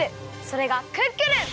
それがクックルン！